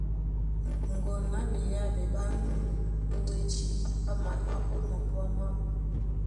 Ŋgo na ɓeyáɓɛ ɓá nû nú wédí ɓá malá ó mambóa mábū.